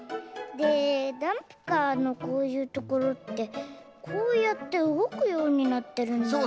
でダンプカーのこういうところってこうやってうごくようになってるんだよね。